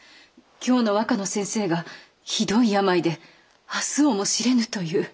京の和歌の先生がひどい病で明日をも知れぬという。